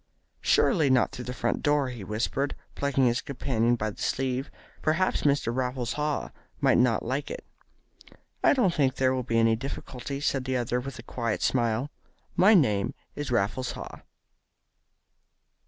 "Surely not through the front door," he whispered, plucking his companion by the sleeve. "Perhaps Mr. Raffles Haw might not like it." "I don't think there will be any difficulty," said the other, with a quiet smile. "My name is Raffles Haw."